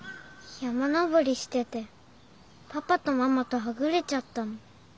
山登りしててパパとママとはぐれちゃったの。